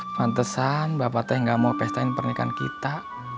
pantesan bapak teh gak mau pestain pernikahan kita